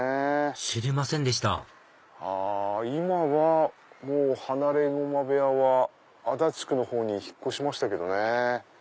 知りませんでした今はもう放駒部屋は足立区の方に引っ越しましたけどね。